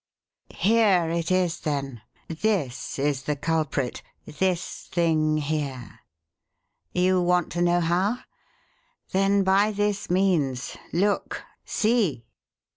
"Here it is, then this is the culprit: this thing here! You want to know how? Then by this means look! See!"